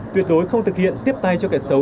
tuyệt đối không thực hiện tiếp tay cho kẻ xấu